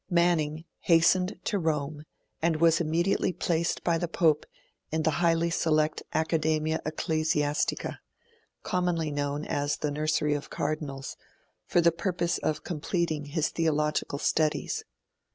Manning hastened to Rome, and was immediately placed by the Pope in the highly select Accademia Ecclesiastica, commonly known as the 'Nursery of Cardinals', for the purpose of completing his theological studies.